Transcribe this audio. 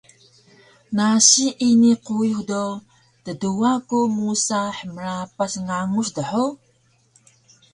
Nasi ini quyux do tduwa ku musa hmrapas nganguc dhug?